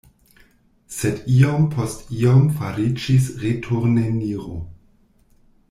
Sed iom post iom fariĝis returneniro.